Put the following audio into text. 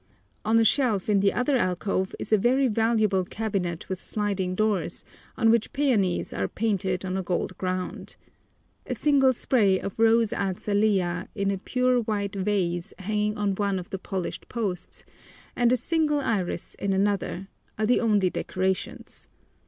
On a shelf in the other alcove is a very valuable cabinet with sliding doors, on which peonies are painted on a gold ground. A single spray of rose azalea in a pure white vase hanging on one of the polished posts, and a single iris in another, are the only decorations.